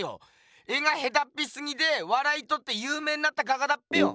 絵がへたっぴすぎてわらいとってゆうめいになった画家だっぺよ！